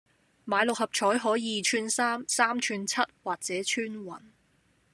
買六合彩可二串三、三串七或者穿雲